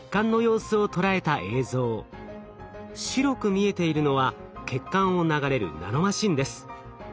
白く見えているのは血管を流れるナノマシンです。